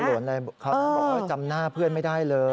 เขาบอกว่าจำหน้าเพื่อนไม่ได้เลย